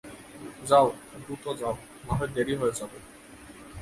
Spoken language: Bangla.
যাও, দ্রুত যাও, নাহয় দেড়ি হয়ে যাবে।